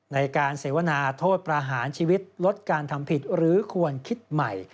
ในการเสวนาโทษประหารชีวิตลดการทำผิดหรือควรคิดใหม่